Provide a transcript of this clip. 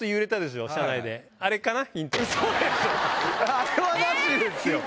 あれはなしですよ！